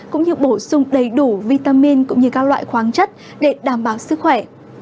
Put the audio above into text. cũng như bổ sung đầy đủ vitamin cũng như các loại khoáng chất để đảm bảo sức khỏe